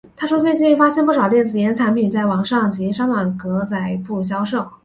他说最近发现不少电子烟产品在网上及商场格仔铺销售。